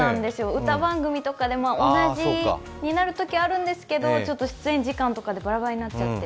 歌番組とかで同じになるときもあるんですけどちょっと出演時間とかでバラバラになっちゃって。